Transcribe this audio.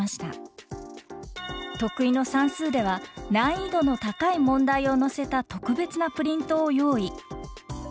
得意の算数では難易度の高い問題を載せた特別なプリントを用意。